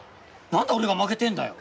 なんで俺が負けてんだよ